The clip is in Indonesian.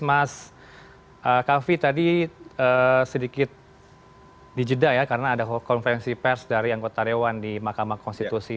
mas kavi tadi sedikit dijeda ya karena ada konferensi pers dari anggota dewan di mahkamah konstitusi